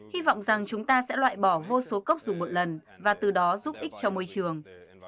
hy vọng rằng chúng ta sẽ loại bỏ vô số cốc dùng một lần và từ đó giúp ích cho môi trường